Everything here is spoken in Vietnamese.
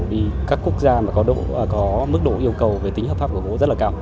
vì các quốc gia mà có mức độ yêu cầu về tính hợp pháp của gỗ rất là cao